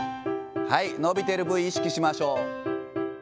伸びてる部位意識しましょう。